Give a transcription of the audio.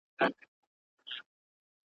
ناسیاله دی که سیال دی زموږ انګړ یې دی نیولی `